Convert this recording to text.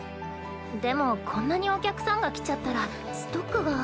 でもこんなにお客さんが来ちゃったらストックが。